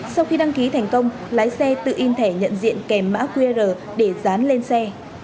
sau khi đăng ký thành công lái xe tự in thẻ nhận diện kèm mã qr để dán lên xe